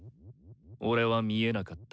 俺は見えなかった。